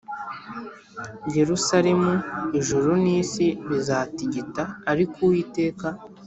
Yerusalemu Ijuru n isi bizatigita ariko Uwiteka